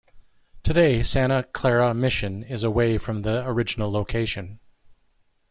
Today Santa Clara Mission is away from the original location.